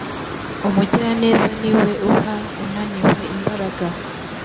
umugiraneza ni we uha unaniwe imbaraga